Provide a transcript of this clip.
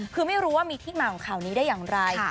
คือไม่รู้ว่ามีที่มาของข่าวนี้ได้อย่างไร